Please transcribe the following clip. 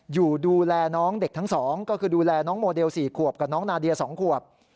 อยู่ดูแลน้องเด็กทั้ง๒ก็คือดูแลน้องโมเดล๔ขวบกับน้องนาเดีย๒ขวบ